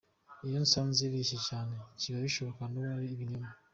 Iyo nsanze ireshya cyane, biba bishoboka ko ari ibinyoma".